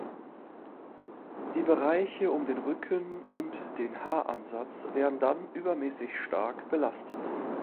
Die Bereiche um den Rücken und den Haaransatz werden dann übermäßig stark belastet.